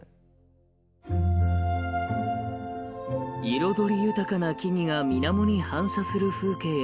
彩り豊かな木々がみなもに反射する風景や。